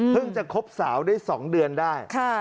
เพิ่งจะคบสาวได้๒เดือนได้